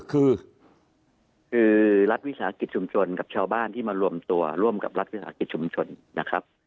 คือคือรัฐวิสาหกิจชุมชนกับชาวบ้านที่มารวมตัวร่วมกับรัฐวิสาหกิจชุมชนนะครับ